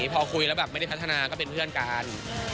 พอคุยแล้วแบบไม่ได้พัฒนาก็เป็นเพื่อนกัน